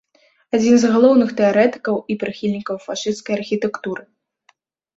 Адзін з галоўных тэарэтыкаў і прыхільнікаў фашысцкай архітэктуры.